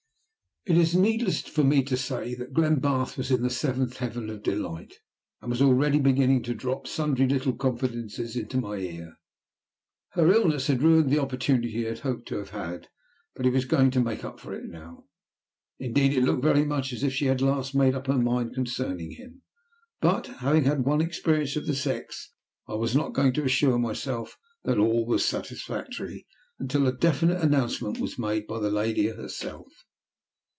It is needless for me to say that Glenbarth was in the Seventh Heaven of Delight, and was already beginning to drop sundry little confidences into my ear. Her illness had ruined the opportunity he had hoped to have had, but he was going to make up for it now. Indeed it looked very much as if she had at last made up her mind concerning him, but, having had one experience of the sex, I was not going to assure myself that all was satisfactory until a definite announcement was made by the lady herself.